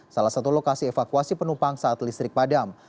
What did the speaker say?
salah satu lokasi evakuasi penumpang saat listrik padam